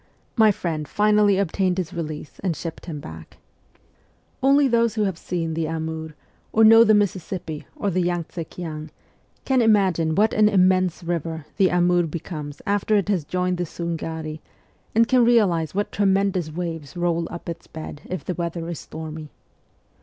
My friend finally obtained his release and shipped him back. 222 MEMOIRS OF A REVOLUTIONIST Only those who have seen the Amur, or know the Mississippi or the Yang tse kiang, can imagine what an immense river the Amur becomes after it has joined the Sungari and can realize what' tremendous waves roll up its bed if the weather is stormy.